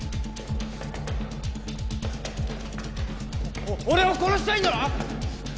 お俺を殺したいんだろ！？